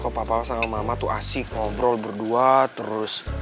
kok papa sama mama tuh asik ngobrol berdua terus